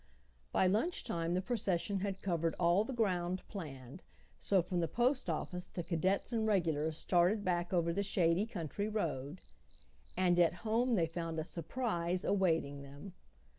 By lunch time the procession had covered all the ground planned, so from the postoffice the cadets and regulars started back over the shady country road. And at home they found a surprise awaiting them!